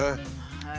はい。